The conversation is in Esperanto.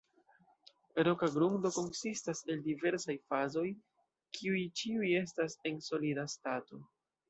Roka grundo konsistas el diversaj fazoj, kiuj ĉiuj estas en solida stato.